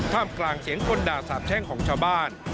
กลางเสียงคนด่าสาบแช่งของชาวบ้าน